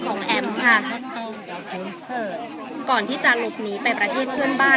แอมค่ะก่อนที่จะหลบหนีไปประเทศเพื่อนบ้าน